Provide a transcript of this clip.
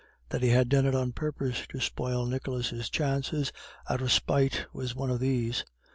That he had done it on purpose to spoil Nicholas's chances out of spite was one of these.